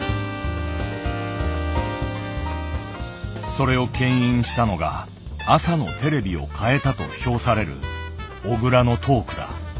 それを牽引したのが「朝のテレビを変えた」と評される小倉のトークだ。